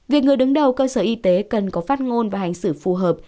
việc người đứng đầu cơ sở y tế cần có phát ngôn và hành xử phù hợp